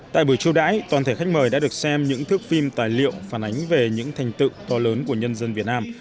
tại buổi chiêu đãi toàn thể khách mời đã được xem những thước phim tài liệu phản ánh về những thành tựu to lớn của nhân dân việt nam